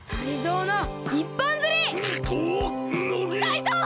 タイゾウ！